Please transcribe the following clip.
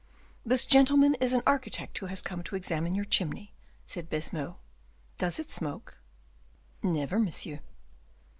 "This gentleman is an architect who has come to examine your chimney," said Baisemeaux; "does it smoke?" "Never, monsieur."